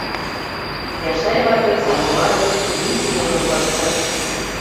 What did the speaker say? Яшай вате самоварыш вич муным пыштыш.